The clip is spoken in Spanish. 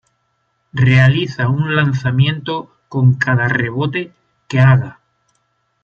Realiza un lanzamiento con cada rebote que haga.